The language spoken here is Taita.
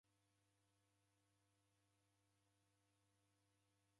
W'ulalo nigho nisene ghukate.